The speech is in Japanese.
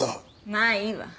まあいいわ。